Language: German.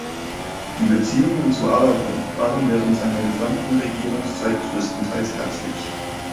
Die Beziehungen zu Aragon waren während seiner gesamten Regierungszeit größtenteils herzlich.